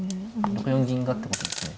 ６四銀がってことですね。